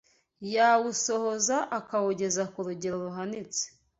yawusohoza akawugeza ku rugero ruhanitse